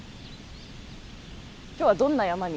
今日はどんな山に？